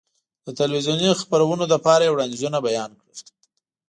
د تلویزیوني خپرونو لپاره یې وړاندیزونه بیان کړل.